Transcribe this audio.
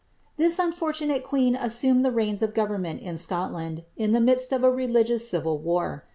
This unfortunate queen assumed the reins of government in Scodarn., in the midst of a religious civil war.